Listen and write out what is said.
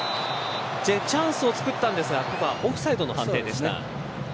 チャンスをつくったんですがここはオフサイドの判定でした。